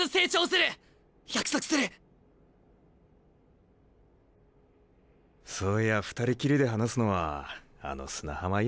そういや２人きりで話すのはあの砂浜以来だな。